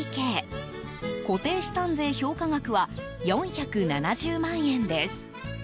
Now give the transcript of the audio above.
固定資産税評価額は４７０万円です。